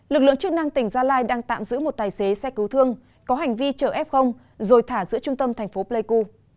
lực lượng chức năng tỉnh gia lai đang tạm giữ một tài xế xe cứu thương có hành vi chở f rồi thả giữa trung tâm thành phố pleiku